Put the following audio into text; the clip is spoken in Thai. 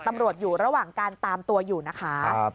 ตำรวจอยู่ระหว่างการตามตัวอยู่นะคะ